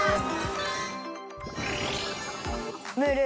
ムール。